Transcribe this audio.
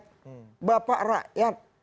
sahabat rakyat bapak rakyat